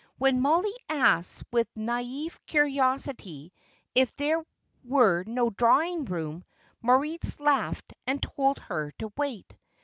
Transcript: When Mollie asked, with naive curiosity, if there were no drawing room, Moritz laughed and told her to wait.